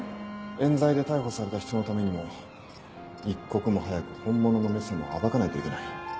冤罪で逮捕された人のためにも一刻も早く本物の「め様」を暴かないといけない。